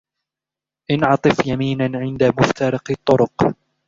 انعطف يميناً عند مفترق الطرق.